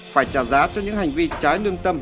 phải trả giá cho những hành vi trái nương tâm